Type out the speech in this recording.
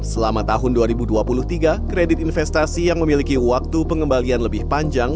selama tahun dua ribu dua puluh tiga kredit investasi yang memiliki waktu pengembalian lebih panjang